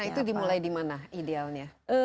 nah itu dimulai di mana idealnya